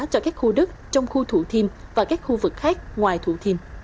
cho các khu đất trong khu thủ thiêm và các khu vực khác ngoài thủ thiêm